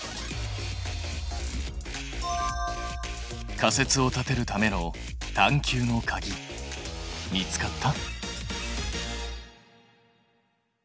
仮説を立てるための探究のかぎ見つかった？